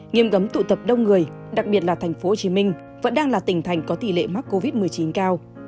nghiêm cấm tụ tập đông người đặc biệt là tp hcm vẫn đang là tỉnh thành có tỷ lệ mắc covid một mươi chín cao